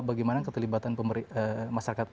bagaimana keterlibatan masyarakat